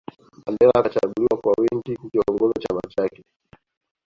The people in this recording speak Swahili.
Mandela akachaguliwa kwa wingi kukiongoza chama chake